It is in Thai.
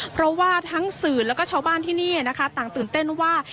เพราะว่าทั้งสื่อแล้วก็ชาวบ้านที่นี่นะคะต่างตื่นเต้นว่า